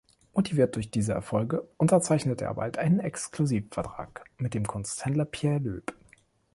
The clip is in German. Motiviert durch diese Erfolge unterzeichnete er bald einen Exklusivvertrag mit dem Kunsthändler Pierre Loeb.